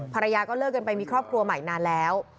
ภรรยาก็เลิกกันไปมีครอบครัวใหม่นานแล้ว